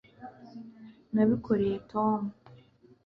nabikoreye tom